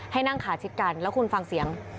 ให้นั่งขาชิดกันแล้วคุณฟังเสียง